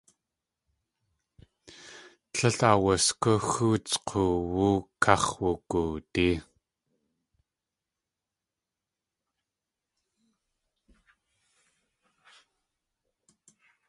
Tléil awuskú xóots k̲oowú káx̲ wugoodí.